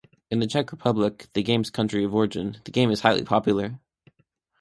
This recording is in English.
In the Czech Republic, the game's country of origin, the game is highly popular.